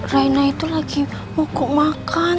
rena itu lagi mokok makan